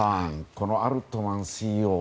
このアルトマンＣＥＯ